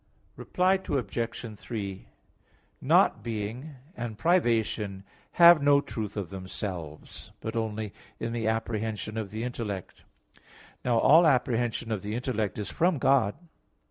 Reply Obj. 3: Not being and privation have no truth of themselves, but only in the apprehension of the intellect. Now all apprehension of the intellect is from God.